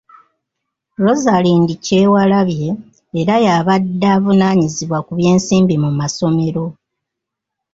Rosalind Kyewalabye era y'abadde avunaanyizibwa ku by'ensimbi mu masomero.